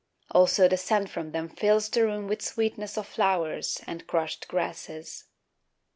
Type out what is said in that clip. Also the scent from them fills the room With sweetness of flowers and crushed grasses.